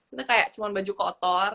ini kayak cuman baju kotor